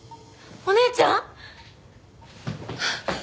お姉ちゃん！